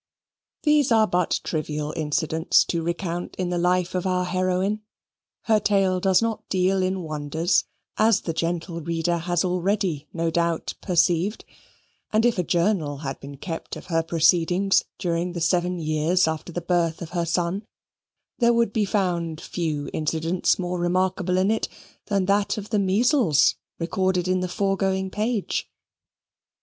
These are but trivial incidents to recount in the life of our heroine. Her tale does not deal in wonders, as the gentle reader has already no doubt perceived; and if a journal had been kept of her proceedings during the seven years after the birth of her son, there would be found few incidents more remarkable in it than that of the measles, recorded in the foregoing page.